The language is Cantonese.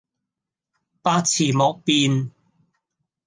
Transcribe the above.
百辭莫辯